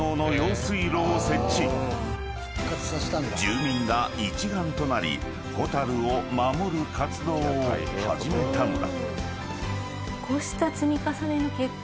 ［住民が一丸となりホタルを守る活動を始めたのだ］